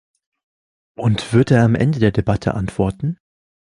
Und wird er am Ende der Debatte antworten?